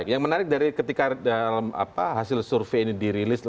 yang menarik dari ketika dalam hasil survei ini dirilis